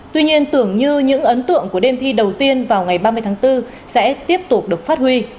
tuy nhiên tưởng như những ấn tượng của đêm thi đầu tiên vào ngày ba mươi tháng bốn sẽ tiếp tục được phát huy